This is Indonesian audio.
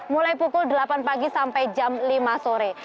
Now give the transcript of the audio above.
mulai pukul delapan pagi sampai jam lima sore